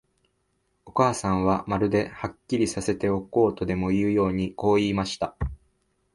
お母さんは、まるで、はっきりさせておこうとでもいうように、こう言いました。